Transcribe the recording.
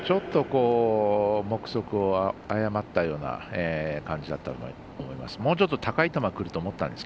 目測を誤ったような感じがあったと思います。